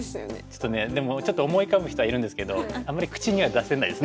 ちょっとねでもちょっと思い浮かぶ人はいるんですけどあんまり口には出せないですね。